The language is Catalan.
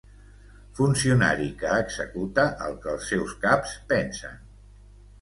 Funcionari que executa el que els seus caps pensen.